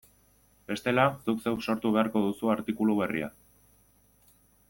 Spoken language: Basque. Bestela, zuk zeuk sortu beharko duzu artikulu berria.